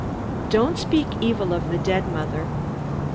"Don't speak evil of the dead, mother."